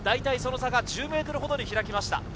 その差がだいたい１０ｍほどに開きました。